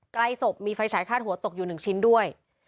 ใกล้ศพมีไฟฉายคาดหัวตกอยู่๑ชิ้นด้วย